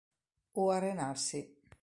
O arenarsi.